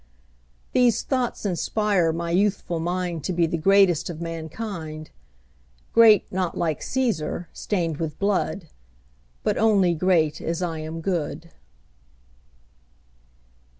These thoughts inspire my youthful mind To be the greatest of mankind: Great, not like Cæsar, stained with blood, But only great as I am good.